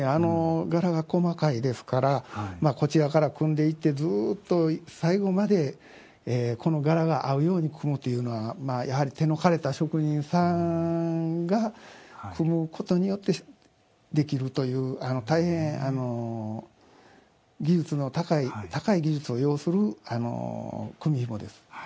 柄が細かいですからこちらから組んでいってずっと最後までこの柄が合うように組むというのはやはり手のかれた職人さんが組むことによってできるという大変技術の高い高い技術を要する組みひもです。